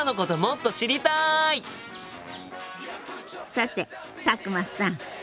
さて佐久間さん